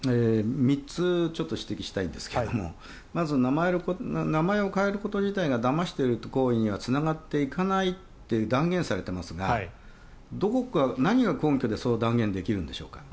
３つ指摘したいんですがまず名前を変えること自体がだましている行為にはつながっていかないと断言されていますが何が根拠でそう断言できるんでしょうか。